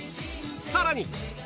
さらに。